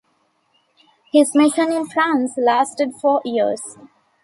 His mission in France lasted four years.